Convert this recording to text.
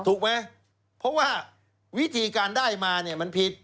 ถูกไหมเพราะว่าวิธีการได้มาเนี่ยมันผิด